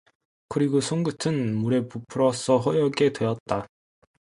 그리고 손끝은 물에 부풀어서 허옇게 되었다.